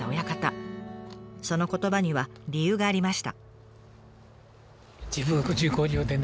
その言葉には理由がありました。